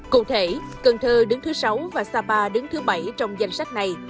cụ thể cần thơ đứng thứ sáu và sapa đứng thứ bảy trong danh sách này